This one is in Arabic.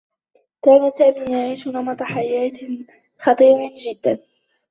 كان سامي يعيش نمط حياة خطير جدّا.